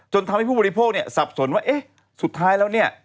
ทำให้ผู้บริโภคเนี่ยสับสนว่าเอ๊ะสุดท้ายแล้วเนี่ย